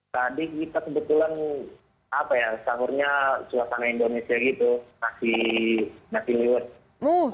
tadi kita kebetulan apa ya sahurnya suasana indonesia gitu nasi liwet